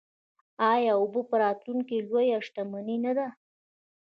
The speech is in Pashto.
آیا اوبه په راتلونکي کې لویه شتمني نه ده؟